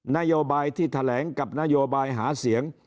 นโยบายที่แถลงกับนโยบายหาเสียง